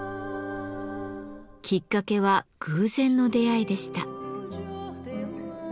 きっかけは偶然の出会いでした。